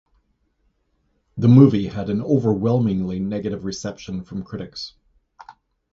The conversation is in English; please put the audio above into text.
The movie had an overwhelmingly negative reception from critics.